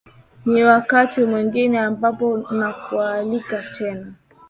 ni wakati mwingine ambapo nakualika tena